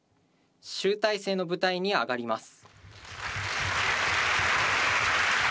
集大成の舞台に上がります。